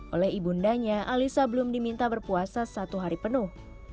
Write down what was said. oleh ibundanya alisa belum diminta berpuasa satu hari penuh